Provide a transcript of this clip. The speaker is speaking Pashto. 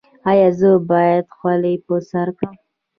ایا زه باید خولۍ په سر کړم؟